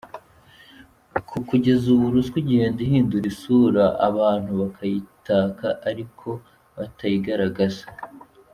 Ko kugeza ubu Ruswa igenda ihindura isura; abantu bakayitaka ariko batayigaragaza.